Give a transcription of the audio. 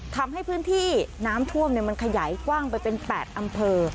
ทำให้พื้นที่น้ำท่วมมันขยายกว้างไปเป็น๘อำเภอ